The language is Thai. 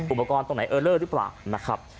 อุปกรณ์ตรงไหนเออเลอร์หรือเปล่านะครับ